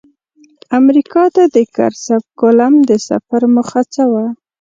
امریکا ته د کرسف کولمب د سفر موخه څه وه؟